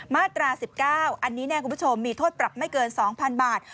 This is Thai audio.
มาตรา๑๙อันนี้มีโทษปรับไม่เกิน๒๐๐๐บาท